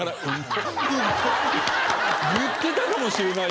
言ってたかもしれない！